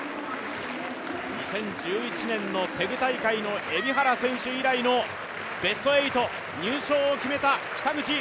２０１１年のテグ大会の海老原選手以来のベスト８、入賞を決めた北口。